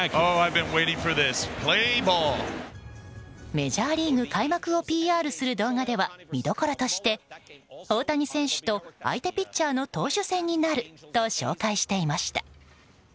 メジャーリーグ開幕をＰＲする動画では見どころとして、大谷選手と相手ピッチャーの投手戦になると紹介していました。